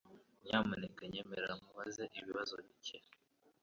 Nyamuneka nyemerera nkubaze ibibazo bike